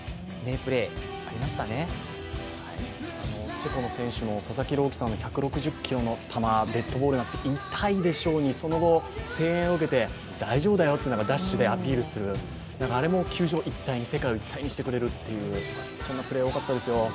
チェコの選手の佐々木朗希選手の１６０キロの球、デッドボールで痛いでしょうに、その後声援を受けて大丈夫だよってダッシュでアピールする、あれも球場を、世界を一体にしてくれるという、そんなシーン、多かったですよ。